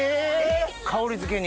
⁉香りづけに？